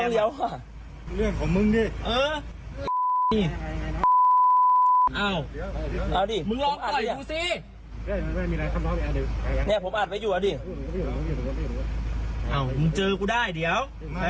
เดี๋ยว